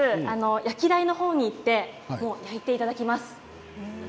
焼き台の方に行って焼いていただきます。